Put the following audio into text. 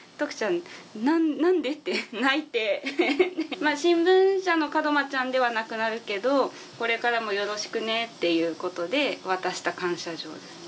まあ「新聞社の門間ちゃん」ではなくなるけどこれからもよろしくねっていうことで渡した感謝状ですね。